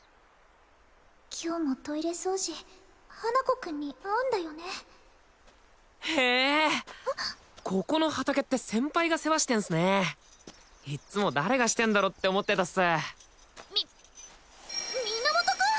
今日もトイレ掃除花子くんに会うんだよねへここの畑って先輩が世話してんすねいっつも誰がしてんだろって思ってたっすみっ源くん！？